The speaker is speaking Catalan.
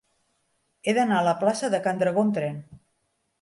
He d'anar a la plaça de Can Dragó amb tren.